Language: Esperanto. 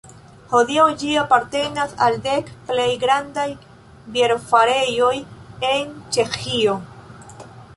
Hodiaŭ ĝi apartenas al dek plej grandaj bierfarejoj en Ĉeĥio.